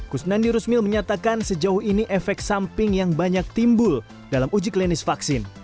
kusnandi rusmil menyatakan sejauh ini efek samping yang banyak timbul dalam uji klinis vaksin